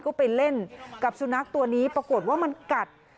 ก็ไปเล่นกับสุนัขตัวนี้ปรากฏว่ามันกัด